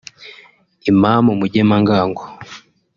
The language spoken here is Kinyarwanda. Imam Mugemangango